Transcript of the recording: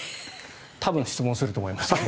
多分、質問すると思います。